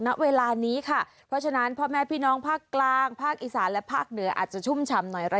ณเวลานี้ค่ะเพราะฉะนั้นพ่อแม่พี่น้องภาคกลางภาคอีสานและภาคเหนืออาจจะชุ่มฉ่ำหน่อย